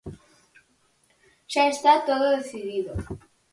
Xa está todo decidido.